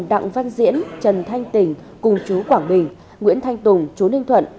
đa dạng văn diễn trần thanh tỉnh cùng chú quảng bình nguyễn thanh tùng chú ninh thuận